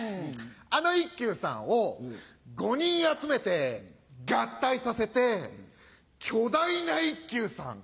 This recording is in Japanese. あの一休さんを５人集めて合体させて巨大な一休さん